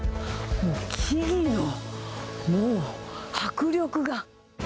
木々のもう、迫力が。